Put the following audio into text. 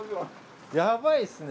やばいっすね！